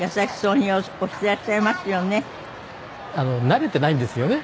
慣れてないんですよね